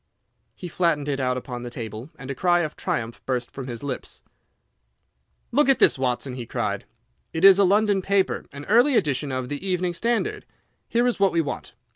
He flattened it out upon the table, and a cry of triumph burst from his lips. "Look at this, Watson," he cried. "It is a London paper, an early edition of the Evening Standard. Here is what we want.